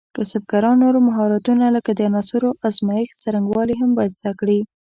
کسبګران نور مهارتونه لکه د عناصرو ازمېښت څرنګوالي هم باید زده کړي.